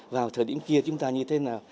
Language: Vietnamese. vào thời điểm kia chúng ta như thế nào